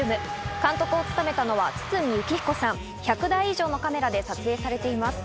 監督を務めたのは堤幸彦さん、１００台以上のカメラで撮影されています。